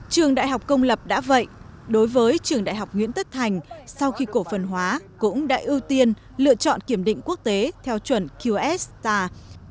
trường đại học công lập đã vậy đối với trường đại học nguyễn tất thành sau khi cổ phần hóa cũng đã ưu tiên lựa chọn kiểm định quốc tế theo chuẩn qsta